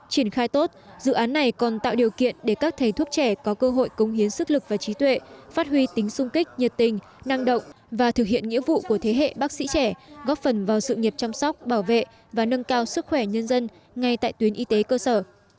triển khai tốt dự án này còn tạo điều kiện để các thầy thuốc trẻ có cơ hội cống hiến sức lực và trí tuệ phát huy tính sung kích nhiệt tình năng động và thực hiện nghĩa vụ của thế hệ bác sĩ trẻ góp phần vào sự nghiệp chăm sóc bảo vệ và nâng cao sức khỏe nhân dân ngay tại tuyến y tế cơ sở